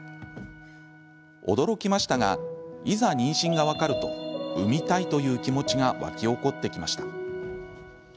驚きましたがいざ妊娠が分かると産みたいという気持ちが湧き起こってきました。